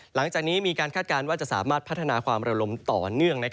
หลังจากนี้มีการคาดการณ์ว่าจะสามารถพัฒนาความระลมต่อเนื่อง